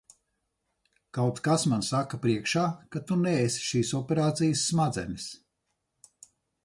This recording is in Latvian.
Kaut kas man saka priekšā, ka tu neesi šīs operācijas smadzenes.